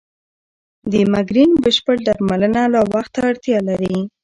د مېګرین بشپړ درملنه لا وخت ته اړتیا لري.